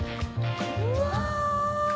うわ！